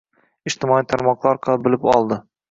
Ijtimoiy tarmoqlar orqali bilib oldi